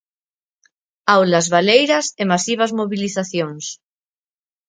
Aulas baleiras e masivas mobilizacións.